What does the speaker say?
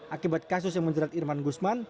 akibat kasus yang menjerat irman gusman